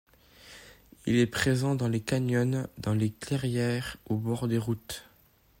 Il est présent dans les canyons, dans les clairières, au bord des routes.